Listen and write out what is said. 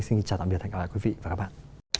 xin chào tạm biệt các bạn